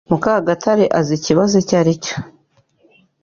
Mukagatare azi ikibazo icyo aricyo.